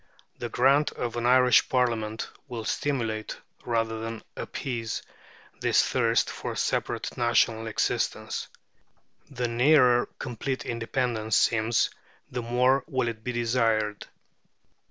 The grant of an Irish Parliament will stimulate rather than appease this thirst for separate national existence. The nearer complete independence seems, the more will it be desired.